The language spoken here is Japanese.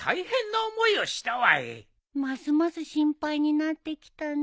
ますます心配になってきたね。